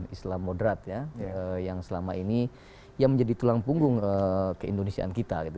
islam moderat ya yang selama ini ya menjadi tulang punggung keindonesiaan kita gitu